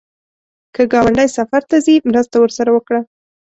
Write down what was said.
که ګاونډی سفر ته ځي، مرسته ورسره وکړه